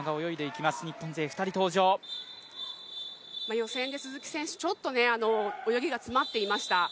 予選で鈴木選手、泳ぎが詰まっていました。